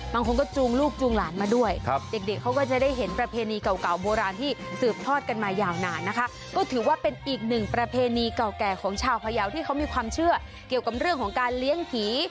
บางคนก็จูงลูกจูงหลานมาด้วยเด็กเขาก็จะได้เห็นประเพณีเก่าโบราณที่สืบทอดกันมายาวนานนะคะก็ถือว่าเป็นอีกหนึ่งประเพณีเก่าแก่ของชาวพยาวที่เขามีความเชื่อเกี่ยวกับเรื่องของการเลี้ยงผี